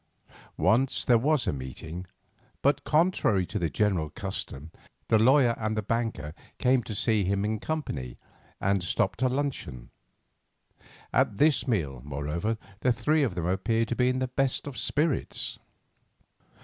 Once there was a meeting, but, contrary to the general custom, the lawyer and the banker came to see him in company, and stopped to luncheon. At this meal, moreover, the three of them appeared to be in the best of spirits.